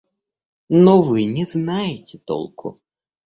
Но вы не знаете толку.